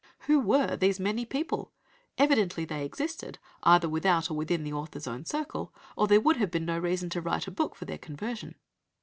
Who were these "many" people? Evidently they existed (either without or within the author's own circle) or there would have been no reason to write a book for their conversion.